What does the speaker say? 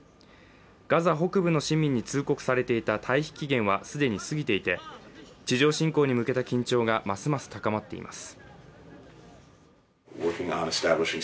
ガザ北部の市民に通告されていた退避期限は既に過ぎていて、地上侵攻に向けた緊張がますます高まっています。